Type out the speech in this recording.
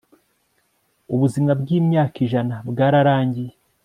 Ubuzima bwimyaka ijana bwarangiye